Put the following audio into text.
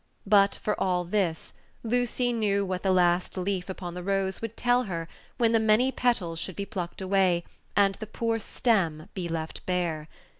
But for all this, Lucy knew what the last leaf upon the rose would tell her when the many petals should be plucked away, and the poor stem be left bare.